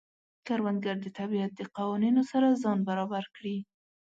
کروندګر د طبیعت د قوانینو سره ځان برابر کړي